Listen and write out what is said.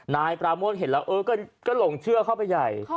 นายปราโมทเห็นแล้วก็หลงเชื่อเข้าไปใหญ่